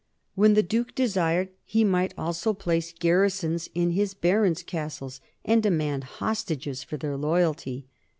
When the duke desired, he might also place garrisons in his barons' castles and demand hostages for their loyalty.